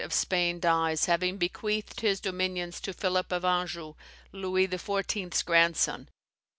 of Spain dies, having bequeathed his dominions to Philip of Anjou, Louis XIV.'s grandson.